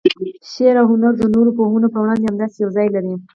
شعر و هنر د نورو پوهنو په وړاندې همداسې یو ځای لري.